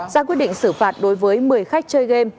ra quyết định xử phạt đối với một mươi khách chơi game